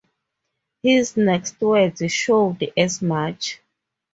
His next words showed as much.